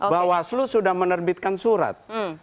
bawaslu sudah menerbitkan surat